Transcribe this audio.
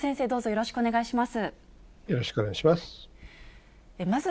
よろしくお願いします。